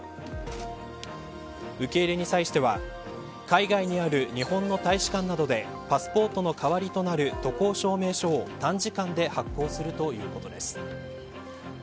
受け入れに際しては海外にある日本の大使館などでパスポートの代わりとなる渡航証明書を短時間で発行するということです。